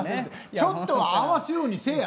ちょっとは合わすようにせえや。